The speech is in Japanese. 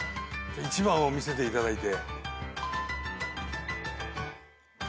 １番を見せていただいて。